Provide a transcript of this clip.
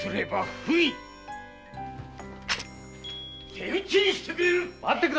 手討ちにしてくれる！